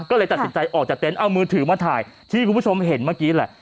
ก็เลยตัดสินใจออกจากเต็นต์เอามือถือมาถ่ายที่คุณผู้ชมเห็นเมื่อกี้แหละ